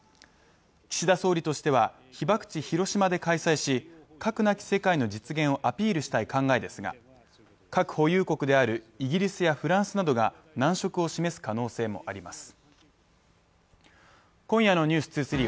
岸田総理としては、被爆地・広島で開催し、核なき世界の実現をアピールしたい考えですが核保有国であるイギリスやフランスなどが難色を示す可能性もあります。